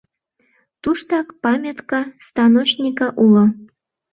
Туштак «Памятка станочника» уло.